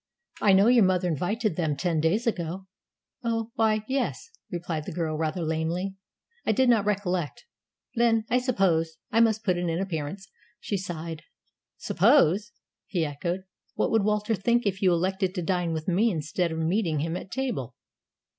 I know your mother invited them ten days ago." "Oh, why, yes," replied the girl rather lamely; "I did not recollect. Then, I suppose, I must put in an appearance," she sighed. "Suppose!" he echoed. "What would Walter think if you elected to dine with me instead of meeting him at table?"